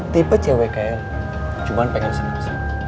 tipe cewek kayak lo cuman pengen senang senang